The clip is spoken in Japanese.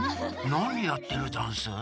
なにやってるざんす？